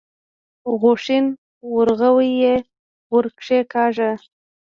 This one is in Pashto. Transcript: غوښين ورغوی يې ور کېکاږه.